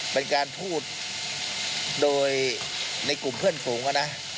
เป็นการพูดโดยในกลุ่มเพื่อนฝูงนะ